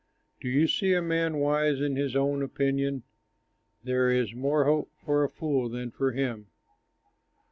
Do you see a man wise in his own opinion? There is more hope for a fool than for him!